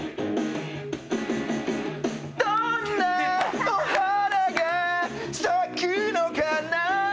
どんな花が咲くのかな？